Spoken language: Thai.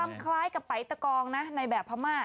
มีความคล้ายกับไปรตกองนะในแบบพม่า